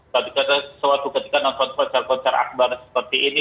karena suatu ketika nonton konser konser akbar seperti ini